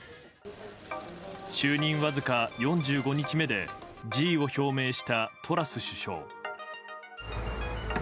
就任わずか４５日目で辞意を表明したトラス首相。